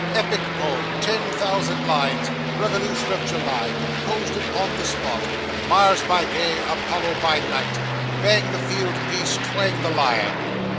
'Epic poem ten thousand lines revolution of July composed it on the spot Mars by day, Apollo by night bang the field piece, twang the lyre.